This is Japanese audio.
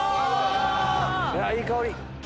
いい香り！